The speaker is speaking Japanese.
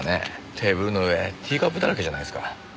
テーブルの上ティーカップだらけじゃないですか。